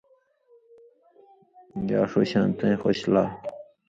یا ݜُو شاں تَیں خوش لا